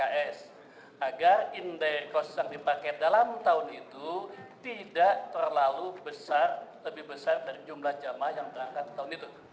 yang dipakai dalam tahun itu tidak terlalu besar lebih besar dari jumlah jamaah yang terangkat tahun itu